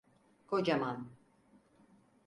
Kocaman.